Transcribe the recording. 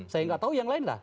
saya nggak tahu yang lain lah